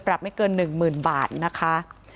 ปรับไม่เกิน๑๐๐๐๐บาทนะคะ